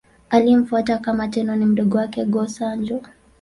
Aliyemfuata kama Tenno ni mdogo wake, Go-Sanjo.